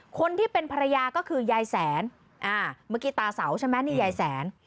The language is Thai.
คนที่เป็นภรรยาก็คือยายแสนอ่าเมื่อกี้ตาเสาใช่ไหมนี่ยายแสน